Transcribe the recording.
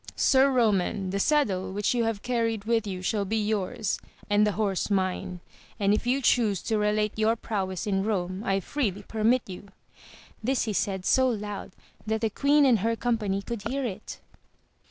Sir Roman, the saddle which you have carried with you shall be yours, and the horse mine ; and if you chuse to relate your prowess in Rome I freely permit you : this he said so loud that the queen and her company could hear it.